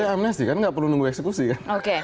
ya amnesti kan nggak perlu nunggu eksekusi kan